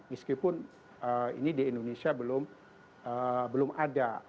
meskipun ini di indonesia belum ada